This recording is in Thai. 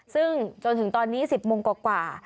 ซึ่งจนถึงตอนนี้๑๐โมงกว่า